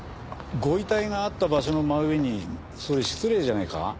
ご遺体があった場所の真上にそれ失礼じゃねえか？